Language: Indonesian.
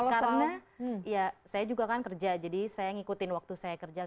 karena saya juga kan kerja jadi saya ngikutin waktu saya kerja